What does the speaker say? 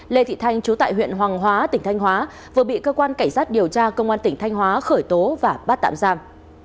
lê thị thanh chú tại huyện hoàng hóa tỉnh thanh hóa vừa bị cơ quan cảnh sát điều tra công an tỉnh thanh hóa khởi tố và bắt tạm giam